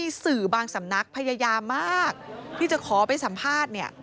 สื่อบางสำนักพยายามมากที่จะขอไปสัมภาษณ์เนี่ย